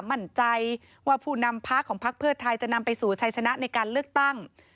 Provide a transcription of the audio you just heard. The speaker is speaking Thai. มั่นใจว่าผู้นำพักของพักเพื่อไทยจะนำไปสู่ชัยชนะในการเลือกตั้ง